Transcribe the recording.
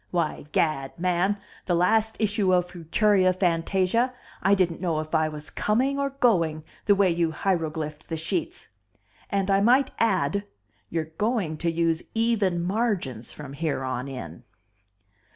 Why, Gad, man, the last issue of Futuria Fantasia I didn't know if I was coming or going, the way you heiroglyphed the sheets. And I might add, you're going to use even margins from here on in."